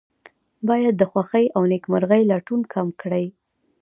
باید د خوښۍ او نیکمرغۍ لټون کم کړي.